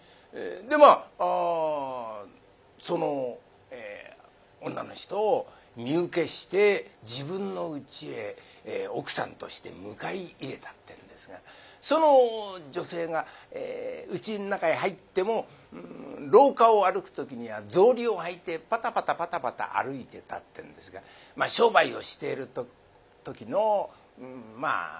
でまあその女の人を身請けして自分のうちへ奥さんとして迎え入れたってんですがその女性がうちの中へ入っても廊下を歩く時には草履を履いてパタパタパタパタ歩いてたってんですがまあ商売をしている時のまあ